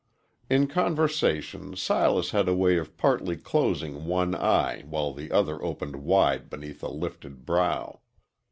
In conversation Silas had a way of partly closing one eye while the other opened wide beneath a lifted brow.